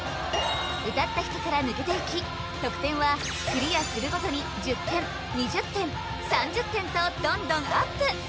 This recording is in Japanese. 歌った人から抜けていき得点はクリアするごとに１０点２０点３０点とどんどんアップ